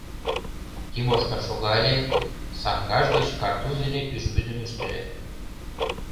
Тимошка шогале, саҥгаж гыч картуз дене пӱжвӱдым ӱштыльӧ.